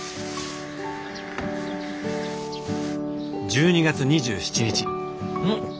１２月２７日うん！